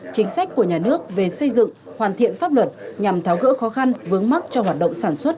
chính sách của nhà nước về xây dựng hoàn thiện pháp luật nhằm tháo gỡ khó khăn vướng mắt cho hoạt động sản xuất